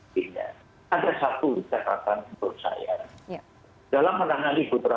tentunya ini juga